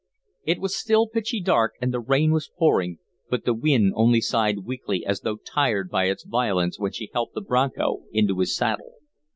It was still pitchy dark and the rain was pouring, but the wind only sighed weakly as though tired by its violence when she helped the Bronco into his saddle.